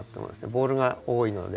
ボールが多いので。